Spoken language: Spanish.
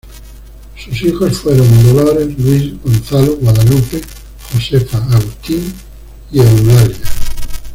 Sus hijos fueron Dolores, Luis, Gonzalo, Guadalupe, Josefa, Agustín, and Eulalia.